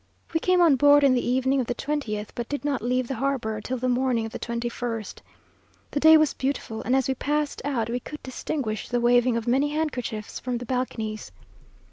We came on board on the evening of the twentieth, but did not leave the harbour till the morning of the twenty first. The day was beautiful, and as we passed out, we could distinguish the waving of many handkerchiefs from the balconies.